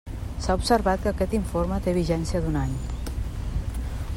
S'ha observat que aquest informe té vigència d'un any.